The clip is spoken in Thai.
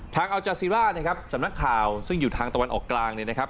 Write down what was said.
อัลจาซีร่านะครับสำนักข่าวซึ่งอยู่ทางตะวันออกกลางเนี่ยนะครับ